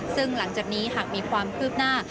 ซึ่งหลังจากนี้หากมีความคืบหน้า